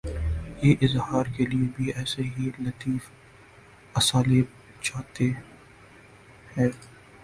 یہ اظہار کے لیے بھی ایسے ہی لطیف اسالیب چاہتا ہے۔